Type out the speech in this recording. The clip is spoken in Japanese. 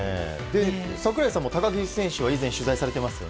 櫻井さんも高木選手は以前取材されてますよね。